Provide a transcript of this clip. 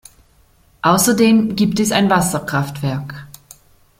Außerdem gibt es ein Wasserkraftwerk.